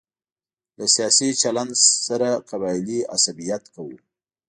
له سیاسي چلن سره قبایلي عصبیت کوو.